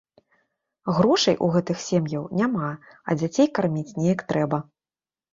Грошай у гэтых сем'яў няма, а дзяцей карміць неяк трэба.